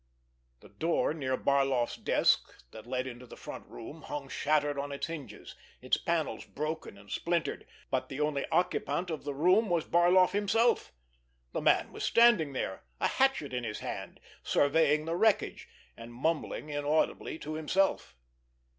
The door near Barloff's desk that led into the front room hung shattered on its hinges, its panels broken and splintered, but the only occupant of the room was Barloff himself. The man was standing there, a hatchet in his hand, surveying the wreckage, and mumbling inaudibly to himself.